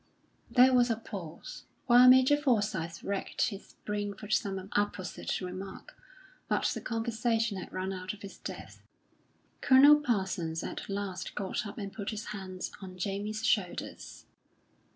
There was a pause, while Major Forsyth racked his brain for some apposite remark; but the conversation had run out of his depth. Colonel Parsons at last got up and put his hands on Jamie's shoulders.